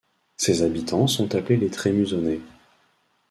Ses habitants sont appelés les Trémusonnais.